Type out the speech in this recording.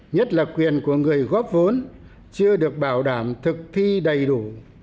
nhất là quyền của người góp vốn chưa được bảo đảm thực thi đầy đủ